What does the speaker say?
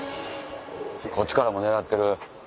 こっちからも狙ってる。